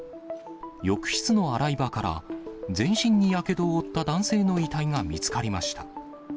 浴室の洗い場から、全身にやけどを負った男性の遺体が見つかりました。